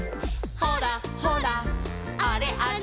「ほらほらあれあれ」